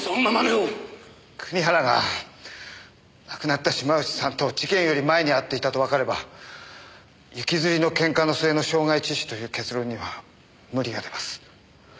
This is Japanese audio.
国原が亡くなった島内さんと事件より前に会っていたとわかれば行きずりのケンカの末の傷害致死という結論には無理が出ます。